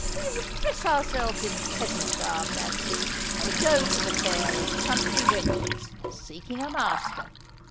We will dress ourselves in peasant garb, Nancy, and go to the fair as country wenches seeking a master!